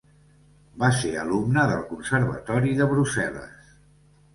Va ser alumne del Conservatori de Brussel·les.